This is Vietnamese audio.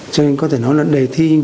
cho nên có thể nói là đề thi